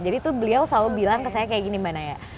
jadi itu beliau selalu bilang ke saya kayak gini mbak naya